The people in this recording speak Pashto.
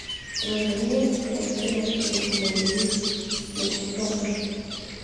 په منځنۍ اسیا کې نقشې عملي نه شي کولای.